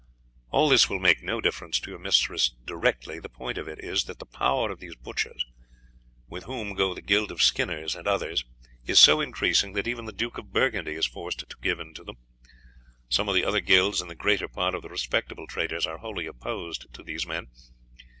"All this will make no difference to your mistress directly; the point of it is that the power of these butchers, with whom go the guild of skinners and others, is so increasing that even the Duke of Burgundy is forced to give in to them. Some of the other guilds and the greater part of the respectable traders are wholly opposed to these men.